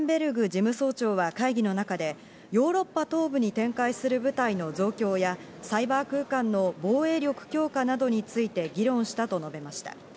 事務総長は会議の中で、ヨーロッパ東部に展開する部隊の増強や、サイバー空間の防衛力強化などについて議論したと述べました。